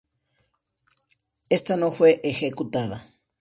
Esta no fue ejecutada.